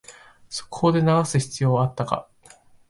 速報で流す必要あったか